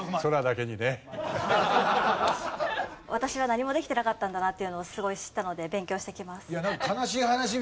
私は何もできてなかったんだなっていうのをすごい知ったので勉強してきます。